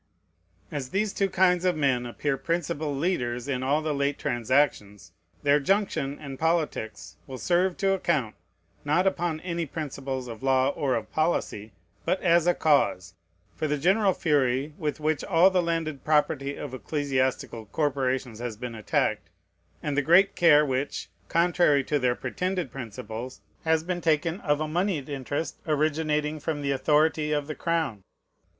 As these two kinds of men appear principal leaders in all the late transactions, their junction and politics will serve to account, not upon any principles of law or of policy, but as a cause, for the general fury with which all the landed property of ecclesiastical corporations has been attacked, and the great care which, contrary to their pretended principles, has been taken of a moneyed interest originating from the authority of the crown.